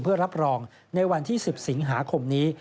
เพื่อรับรองในวันที่๑๐สิงหาคมนี้